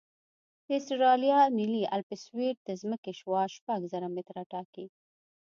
د اسټرالیا ملي الپسویډ د ځمکې شعاع شپږ زره متره ټاکي